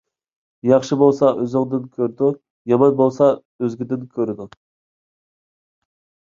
ياخشى بولسا ئۆزىدىن كۆرىدۇ، يامان بولسا ئۆزگىدىن كۆرىدۇ.